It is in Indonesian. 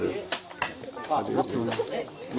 gak ada biaya